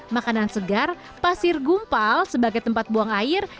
makanan segar pasir gumpal sebagai tempat buang air